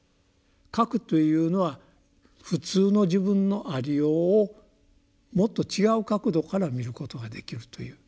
「覚」というのは普通の自分のありようをもっと違う角度から見ることができるという。